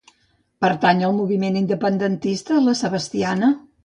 Pertany al moviment independentista la Sebastiana?